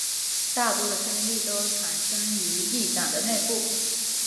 大多的升力都产生于翼展的内部。